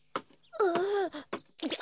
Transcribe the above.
ああ。